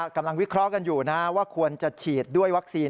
วิเคราะห์กันอยู่นะว่าควรจะฉีดด้วยวัคซีน